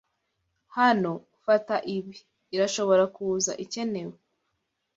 Hano. Fata ibi. Irashobora kuza ikenewe.